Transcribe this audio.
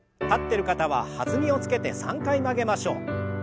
立ってる方は弾みをつけて３回曲げましょう。